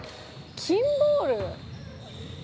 キンボール？